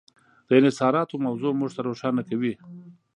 د انحصاراتو موضوع موږ ته روښانه کوي.